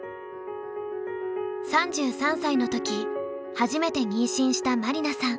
３３歳の時初めて妊娠した麻里奈さん。